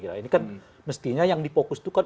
ini kan mestinya yang dipokus itu kan